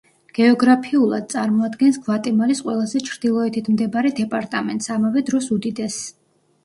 გეოგრაფიულად, წარმოადგენს გვატემალის ყველაზე ჩრდილოეთით მდებარე დეპარტამენტს, ამავე დროს უდიდესს.